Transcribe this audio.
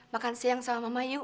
makan siang sama mama yuk